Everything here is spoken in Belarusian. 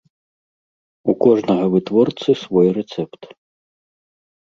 У кожнага вытворцы свой рэцэпт.